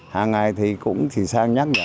hàng ngày thì cũng chỉ sang nhắc nhở